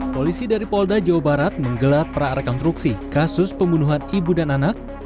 polisi dari polda jawa barat menggelat para rekonstruksi kasus pembunuhan ibu dan anak